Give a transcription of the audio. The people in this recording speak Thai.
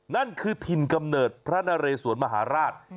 นั่นคือถิ่นกำเนิดพระนเรสวนมหาราช